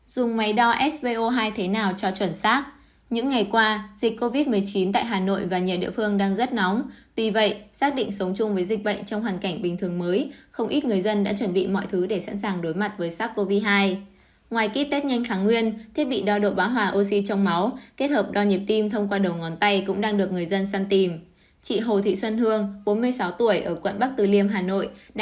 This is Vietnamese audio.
hãy đăng ký kênh để ủng hộ kênh của chúng mình nhé